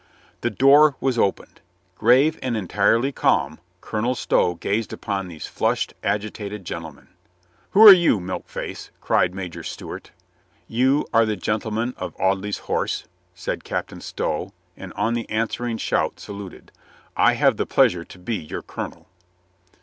The door was opened. Grave and entirely calm, Colonel Stow gazed upon these flushed, agitated gentlemen. "Who are you, milk face?" cried Major Stewart. "You are the gentlemen of Audley's Horse?" said Colonel Stow, and on the answering shout saluted. "I have the pleasure to be your colonel."